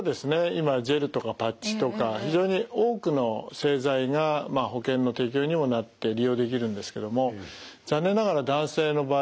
今ジェルとかパッチとか非常に多くの製剤が保険の適用にもなって利用できるんですけども残念ながら男性の場合ですね